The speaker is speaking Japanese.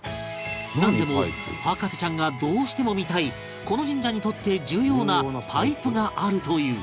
なんでも博士ちゃんがどうしても見たいこの神社にとって重要なパイプがあるという